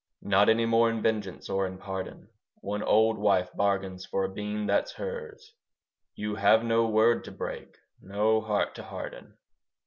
Not any more in vengeance or in pardon, One old wife bargains for a bean that's hers. You have no word to break: no heart to harden.